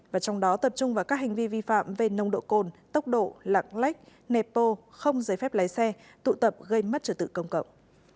và trong đó tập trung vào các hành vi vi phạm về nồng độ cồn tốc độ lặng lách nệp bô không giấy phép lái xe tụ tập gây mất trở tự công cộng